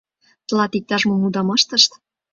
— Тылат иктаж-мом удам ыштышт?